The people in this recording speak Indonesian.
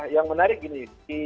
yang menarik gini